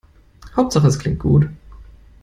Hauptsache es klingt gut.